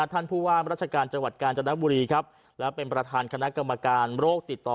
ท่านผู้ว่ามราชการจังหวัดกาญจนบุรีครับและเป็นประธานคณะกรรมการโรคติดต่อ